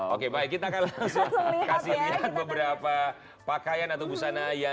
oke kita akan lihat adanya